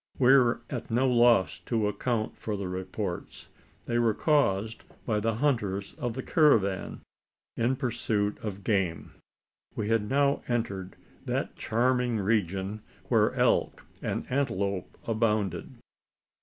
We were at no loss to account for the reports. They were caused by the hunters of the caravan, in pursuit of game. We had now entered that charming region where elk and antelope abounded.